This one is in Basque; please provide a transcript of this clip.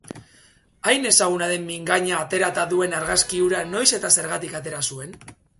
Hain ezaguna den mingaina aterata duen argazki hura noiz eta zergatik atera zuen?